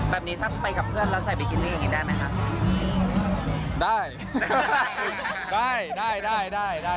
แบบนี้ถ้าไปกับเพื่อนแล้วใส่บิกินด้วยยังไงได้ไหมครับ